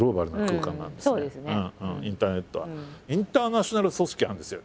インターナショナル組織はあるんですよ